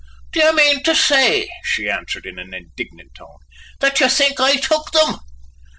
"Do you mean to say," she answered in an indignant tone, "that you think I took them?"